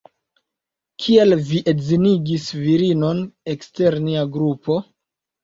Kial vi edzinigis virinon ekster nia grupo?